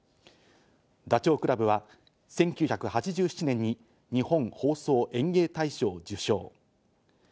ダチョウ倶楽部は１９８７年に日本放送演芸大賞を受賞。